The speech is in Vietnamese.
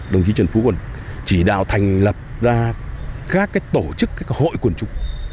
đồng chí trần phú còn chỉ đạo thành lập ra các tổ chức các hội quần chúng